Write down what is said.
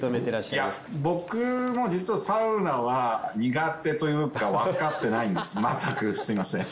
いや僕も実はサウナは苦手というかわかってないんですまったくすみません。